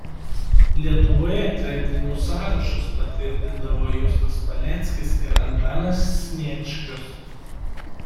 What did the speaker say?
Lietuvoje tremtinių sąrašus patvirtindavo Justas Paleckis ir Antanas Sniečkus.